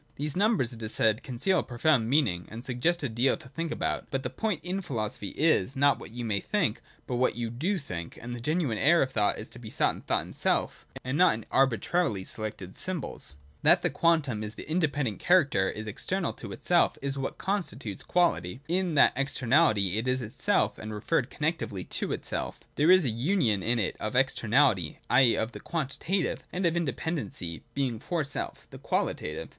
These numbers, it is said, conceal a profound meaning, and suggest a deal to think about. But the point in philosophy is, not what you may think, but what you do think : and the genuine air of thought is to be sought in thought itself, and not in arbitrarily selected symbols. 105.] That the Quantum in its independent character is external to itself, is what constitutes its quality. In I05, io6.] NUMBER AND RATIO. 199 that externality it is itself and referred connectively to itself There is a union in it of externality, i.e. the quantitative, and of independency (Being for self), — the qualitative.